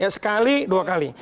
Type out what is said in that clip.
sekali dua kali